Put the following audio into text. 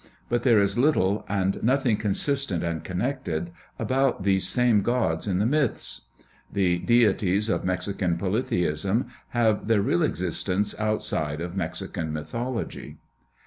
But there is little, and nothing consistent and connected, about these same gods in the myths. The deities of Mexican polytheism have their real existence outside of Mexican mythology.